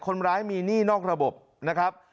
คนร้ายมีหนี้นอกระบบนะครับ